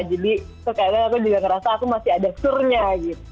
jadi terkadang aku juga ngerasa aku masih ada spurnya gitu